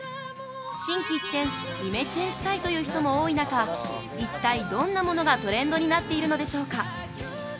心機一転、イメチェンしたいという人も多い中一体どんなものがトレンドになっているのでしょうか。